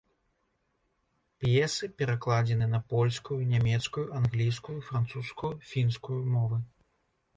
П'есы перакладзены на польскую, нямецкую, англійскую, французскую, фінскую мовы.